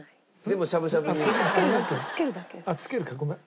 あっつけるかごめん。